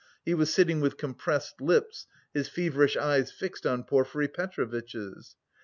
He was sitting with compressed lips, his feverish eyes fixed on Porfiry Petrovitch's.